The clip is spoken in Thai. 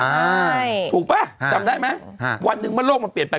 ใช่ถูกป่ะจำได้ไหมวันหนึ่งเมื่อโลกมันเปลี่ยนไป